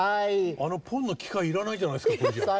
あのポンの機械要らないじゃないですかこれじゃあ。